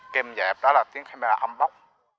kem dẹp đó là tiếng khém là âm bốc